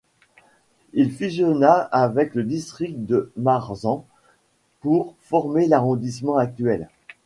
Il fusionna avec le district de Marzahn pour former l'arrondissement actuel.